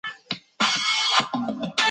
粗皮桉为桃金娘科桉属下的一个种。